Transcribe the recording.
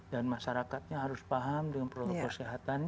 masyarakatnya harus paham dengan protokol kesehatan